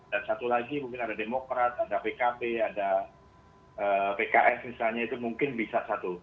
dan satu lagi mungkin ada demokrat ada pkb ada pks misalnya itu mungkin bisa satu